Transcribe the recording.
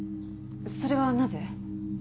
それはなぜ？